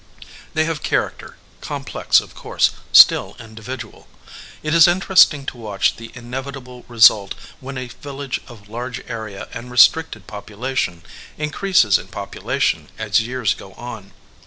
They have character, complex, of course, still individual. It is interesting to watch the inevitable result when a village of large area and restricted popu lation increases in population as years go on.